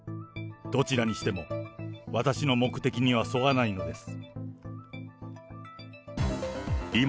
どちらにしても、私の目的には沿わないのです。